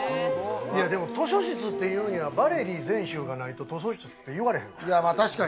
図書室というのは『ヴァレリー全集』がないと図書室って言われへん。